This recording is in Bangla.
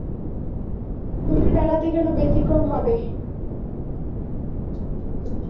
তোমার বেলাতে কেন ব্যতিক্রম হবে?